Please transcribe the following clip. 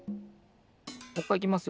もっかいいきますよ。